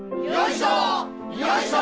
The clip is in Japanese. よいしょ！